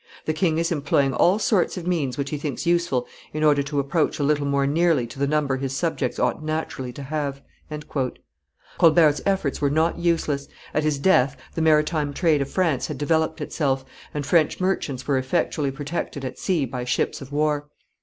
The king is employing all sorts of means which he thinks useful in order to approach a little more nearly to the number his subjects ought naturally to have." Colbert's efforts were not useless; at his death, the maritime trade of France had developed itself, and French merchants were effectually protected at sea by ships of war.